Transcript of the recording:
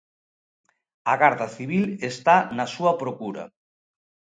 A garda civil está na súa procura.